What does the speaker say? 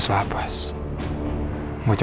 silakan pergi dari sini